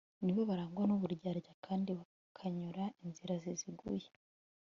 ni bo barangwa n'uburyarya, kandi bakanyura inzira ziziguye